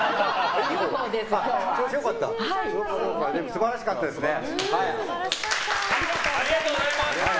素晴らしかったですね。